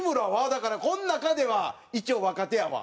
だからこの中では一応若手やわ。